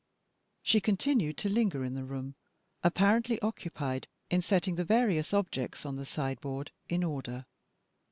She continued to linger in the room, apparently occupied in setting the various objects on the sideboard in order.